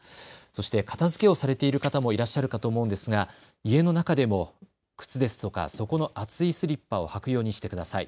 そして片づけをされている方もいらっしゃるかと思うんですが家の中でも靴ですとか底の厚いスリッパを履くようにしてください。